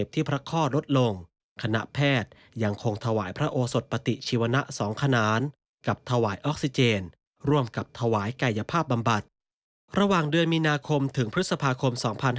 หรือโทษหลงกับถวายกายยภาพบำบัดระหว่างเดือนมีณาคมถึงพฤษภาคม๒๕๕๙